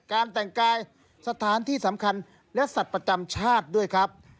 การแต่งกายสถานที่สำคัญและสัตว์ประจำชาติด้วยครับ